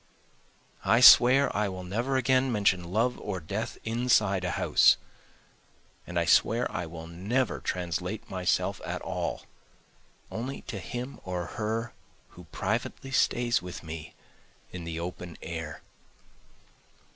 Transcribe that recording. I swear I will never again mention love or death inside a house, And I swear I will never translate myself at all, only to him or her who privately stays with me in the open air.